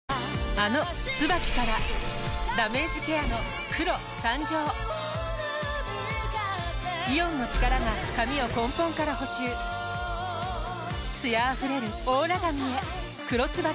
あの「ＴＳＵＢＡＫＩ」からダメージケアの黒誕生イオンの力が髪を根本から補修艶あふれるオーラ髪へ「黒ＴＳＵＢＡＫＩ」